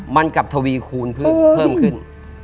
มันกับทวีคูณเพิ่มขึ้น